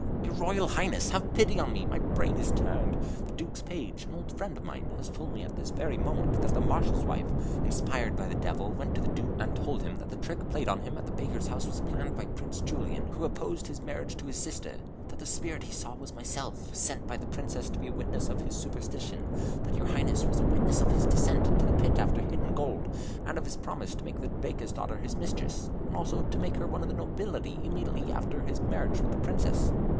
"Your Royal Highness, have pity on me, my brain is turned. The Duke's page, an old friend of mine, has told me this very moment, that the Marshal's wife, inspired by the devil, went up to the Duke, and told him that the trick played on him at the baker's house was planned by Prince Julian, who opposed his marriage with his sister; that the spirit he saw was myself, sent by the Princess to be a witness of his superstition; that your Highness was a witness of his descent into the pit after hidden gold, and of his promise to make the baker's daughter his mistress, and also to make her one of the nobility immediately after his marriage with the Princess.